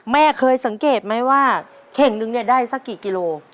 แม่เคยสังเกตไหมว่าเข่งนึงเนี่ยได้สักกี่กิโล